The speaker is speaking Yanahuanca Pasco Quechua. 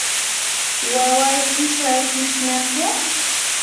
¿wawayki sharkushnaku?